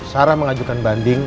sarah mengajukan banding